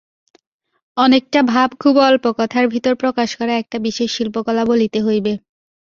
অনেকটা ভাব খুব অল্প কথার ভিতর প্রকাশ করা একটা বিশেষ শিল্পকলা বলিতে হইবে।